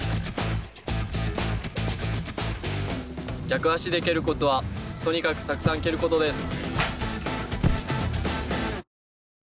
逆足で蹴るコツはとにかくたくさん蹴ることです。